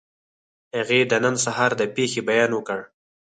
هغې د نن سهار د پېښې بیان وکړ